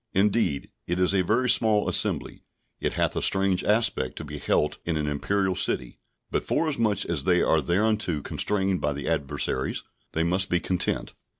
Indeed, it is a very small assembly; it hath a strange aspect to be held in an Imperial city; but forasmuch as they are thereunto constrained by the adversaries, they must be content.